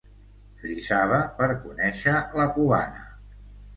Frisava per conèixer la cubana.